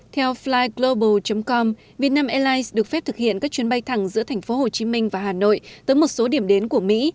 theo flyglobal com vietnam airlines được phép thực hiện các chuyến bay thẳng giữa thành phố hồ chí minh và hà nội tới một số điểm đến của mỹ